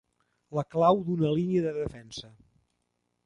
La clau d'una línia de defensa.